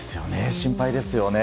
心配ですよね。